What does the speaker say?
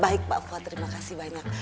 baik mbak fuad terima kasih banyak